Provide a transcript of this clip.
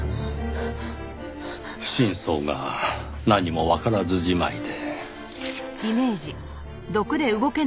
真相が何もわからずじまいで。